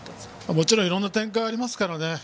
もちろんいろんな展開がありますからね。